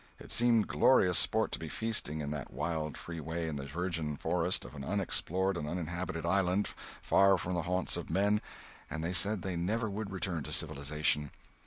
It seemed glorious sport to be feasting in that wild, free way in the virgin forest of an unexplored and uninhabited island, far from the haunts of men, and they said they never would return to civilization.